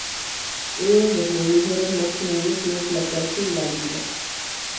Unos de los mamíferos más comunes son el tlacuache y la ardilla.